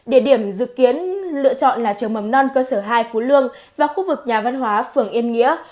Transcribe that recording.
địa điểm dự kiến lựa chọn là trường mầm non cơ sở hai phú lương và khu vực nhà văn hóa phường yên nghĩa